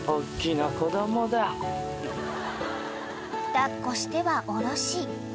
［抱っこしては下ろし］